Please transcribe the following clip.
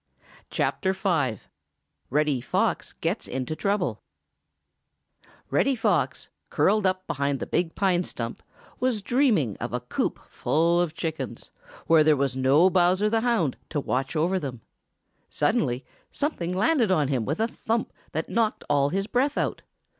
V. REDDY POX GETS INTO TROUBLE |REDDY FOX, curled up behind the big pine stump, was dreaming of a coop full of chickens, where there was no Bowser the Hound to watch over them. Suddenly something landed on him with a thump that knocked all his breath out.